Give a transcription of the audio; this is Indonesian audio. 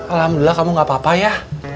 alhamdulillah kamu gak apa apa ya